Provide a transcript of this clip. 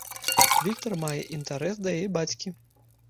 Віктар мае інтэрас да яе бацькі!